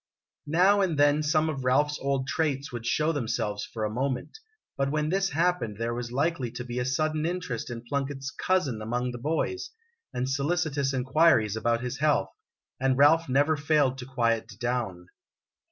Now and then some of Ralph's old traits would show them selves for a moment, but when this happened there was likely to be a sudden interest in Plunkett's "cousin" among the boys, and solici tous inquiries about his health, and Ralph never failed to quiet down.